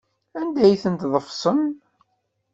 Anda ay ten-tḍefsem?